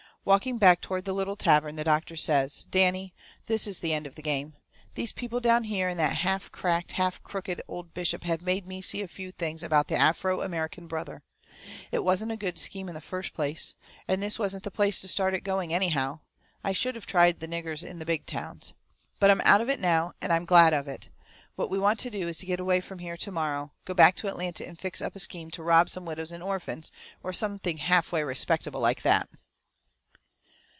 Walking back toward the little tavern the doctor says: "Danny, this is the end of this game. These people down here and that half cracked, half crooked old bishop have made me see a few things about the Afro American brother. It wasn't a good scheme in the first place. And this wasn't the place to start it going, anyhow I should have tried the niggers in the big towns. But I'm out of it now, and I'm glad of it. What we want to do is to get away from here to morrow go back to Atlanta and fix up a scheme to rob some widows and orphans, or something half way respectable like that."